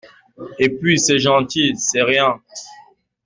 Et puis c’est gentil, c’est riant !